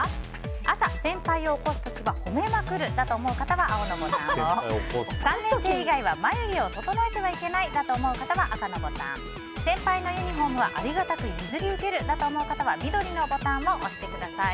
朝、先輩を起こす時は褒めまくるだと思う人は青のボタンを３年生以外は眉毛を整えてはいけないだと思う方は赤のボタン先輩のユニホームはありがたく譲り受けるだと思う方は緑のボタンを押してください。